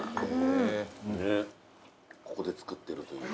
ここで作ってるという。